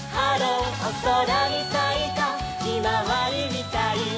「おそらにさいたひまわりみたい」